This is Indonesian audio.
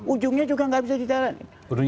ujungnya juga nggak bisa dijalanin